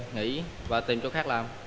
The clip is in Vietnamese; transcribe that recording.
nghỉ và tìm chỗ khác làm